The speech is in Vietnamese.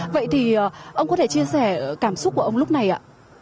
vậy thì ông có thể chia sẻ cảm xúc của ông lúc này ạ